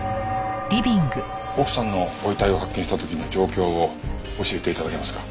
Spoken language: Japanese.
奥さんのご遺体を発見した時の状況を教えて頂けますか？